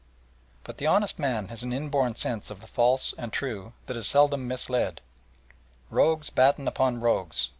But the honest man has an inborn sense of the false and true that is seldom misled. Rogues batten upon rogues.